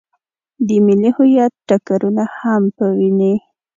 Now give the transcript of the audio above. د ملي هویت ټکرونه هم په ويني.